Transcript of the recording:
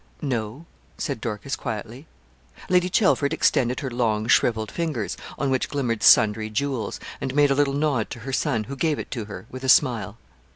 'No,' said Dorcas, quietly. Lady Chelford extended her long, shrivelled fingers, on which glimmered sundry jewels, and made a little nod to her son, who gave it to her, with a smile.